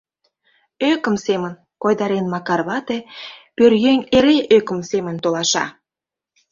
— «Ӧкым семын», — койдарен Макар вате, — пӧръеҥ эре ӧкым семын толаша.